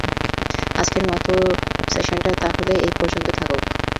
আজকের মতো সেশনটা তাহলে এই পর্যন্তই থাকুক।